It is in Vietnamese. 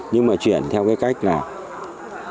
nhưng mà chuyển theo cái cách nào